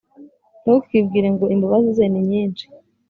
Ntukibwire ngo «Imbabazi ze ni nyinshi,